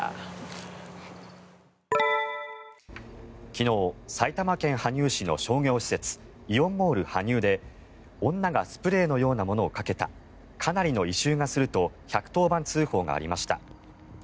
昨日、埼玉県羽生市の商業施設、イオンモール羽生で女がスプレーのようなものをかけたかなりの異臭がすると１１０番通報がありました。